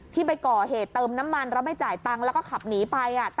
ที่ไปก่อเหตุเติมน้ำมันแล้วไม่จ่ายตังค์แล้วก็ขับหนีไป